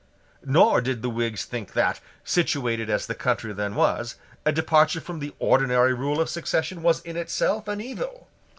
Nor did the Whigs think that, situated as the country then was, a departure from the ordinary rule of succession was in itself an evil.